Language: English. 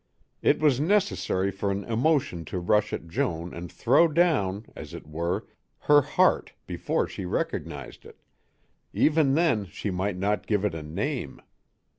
It was necessary for an emotion to rush at Joan and throw down, as it were, her heart before she recognized it; even then she might not give it a name.